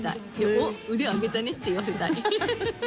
「おっ腕上げたね」って言わせたい。